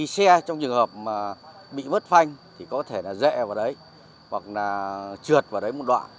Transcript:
xe trong trường hợp mà bị mất phanh thì có thể là dẹ vào đấy hoặc là trượt vào đấy một đoạn